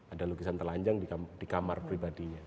ada lukisan telanjang di kamar pribadinya